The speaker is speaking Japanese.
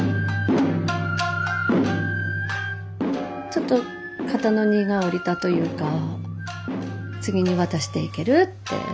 ちょっと肩の荷が下りたというか次に渡していけるって。